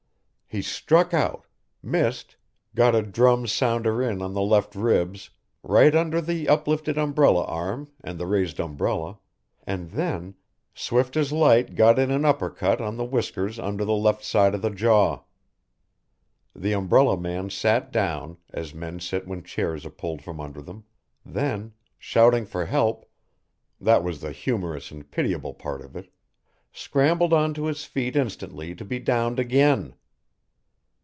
He struck out, missed, got a drum sounder in on the left ribs, right under the uplifted umbrella arm and the raised umbrella and then swift as light got in an upper cut on the whiskers under the left side of the jaw. The umbrella man sat down, as men sit when chairs are pulled from under them, then, shouting for help that was the humorous and pitiable part of it scrambled on to his feet instantly to be downed again.